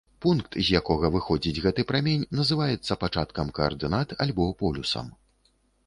Пункт, з якога выходзіць гэты прамень, называецца пачаткам каардынат альбо полюсам.